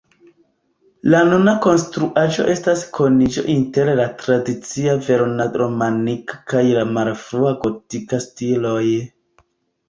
La nuna konstruaĵo estas kuniĝo inter la tradicia verona-romanika kaj la malfrua gotika stiloj.